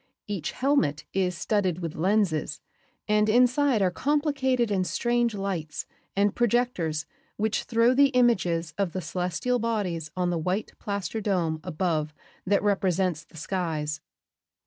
Each "helmet" is studded with lenses and inside are complicated and strange lights and projectors which throw the images of the celestial bodies on the white plaster dome above that represents the skies.